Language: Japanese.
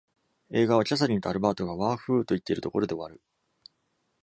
映画は、キャサリンとアルバートが「ワーフー!」と言っているところで終わる。